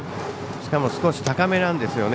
しかも少し高めなんですよね。